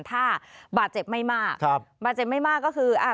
ถ้าบาดเจ็บไม่มากครับบาดเจ็บไม่มากก็คืออ่า